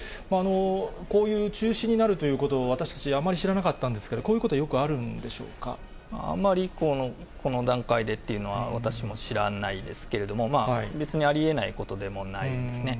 こういう中止になるということを私たち、あんまり知らなかったんですけど、こういうことはよあまりこの段階でというのは、私も知らないですけれども、別にありえないことでもないですね。